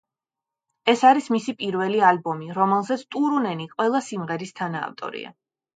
ეს არის მისი პირველი ალბომი, რომელზეც ტურუნენი ყველა სიმღერის თანაავტორი.